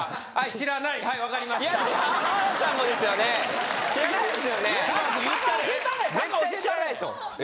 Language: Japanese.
知らないですよね？